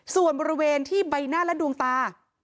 ส่วนบริเวณที่ใบหน้าและดวงตา